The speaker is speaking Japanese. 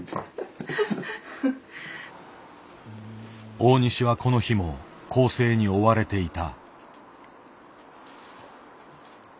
大西はこの日も校正に追われていた。